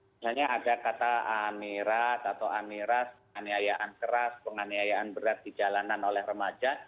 misalnya ada kata amirat atau amiras penganiayaan keras penganiayaan berat di jalanan oleh remaja